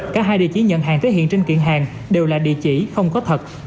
cả hai địa chỉ nhận hàng tới hiện trên kiện hàng đều là địa chỉ không có thật